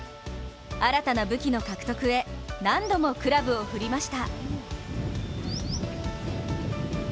新たな武器の獲得へ何度もクラブを振りました。